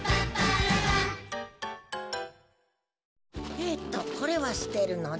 えっとこれはすてるのだ。